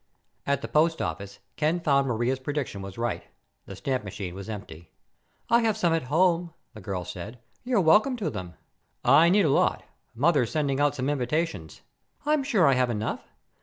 At the post office, Ken found Maria's prediction was right. The stamp machine was empty. "I have some at home," the girl said. "You're welcome to them." "I need a lot. Mother's sending out some invitations." "I'm sure I have enough.